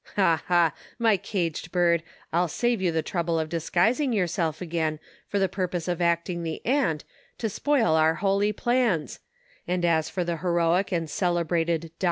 Ila ! ha ! my caged bird, I'll save you the trouble of disguising yourself again, for the purpose of acting the aunt, to spoil our holy plans ; and as for the heroic and celebrated Dr.